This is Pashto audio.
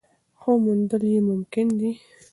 خو موندل یې ممکن دي.